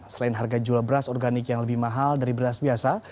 selain harga jual beras organik yang lebih mahal dari beras biasa